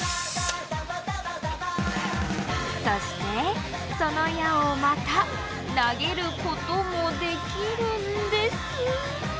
そしてその矢をまた投げることもできるんです。